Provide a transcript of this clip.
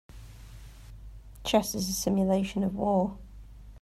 Chess is a simulation of war.